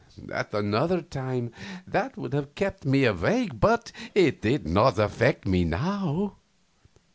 At another time that would have kept me awake, but it did not affect me now.